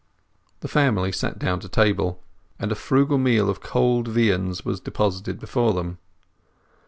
The family sat down to table, and a frugal meal of cold viands was deposited before them.